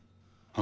あ？